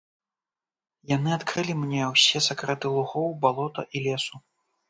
Яны адкрылі мне ўсе сакрэты лугоў, балота і лесу.